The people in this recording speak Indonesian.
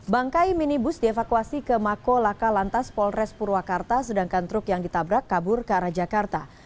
bangkai minibus dievakuasi ke mako laka lantas polres purwakarta sedangkan truk yang ditabrak kabur ke arah jakarta